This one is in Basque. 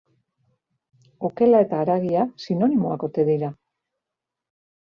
Okela eta haragia, sinonimoak ote dira?